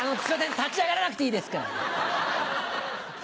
立ち上がらなくていいですから！